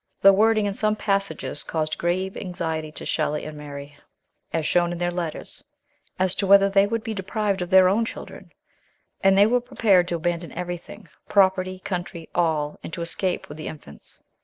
The wording in some passages caused grave anxiety to Shelley and Mary (as shown in their letters) as to whether they would be deprived of their own children ; and they were prepared to abandon everything, property, country, all, and to escape with the infants.